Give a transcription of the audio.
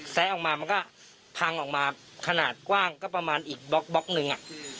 แซะออกมามันก็พังออกมาขนาดกว้างก็ประมาณอีกบล็อกนึง